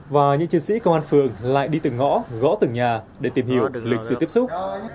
và những chiến sĩ công an phường lại đi từng ngõ gõ từng nhà để tìm hiểu lịch sử tiếp xúc